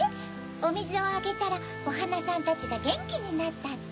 「おみずをあげたらおはなさんたちがゲンキになった」って？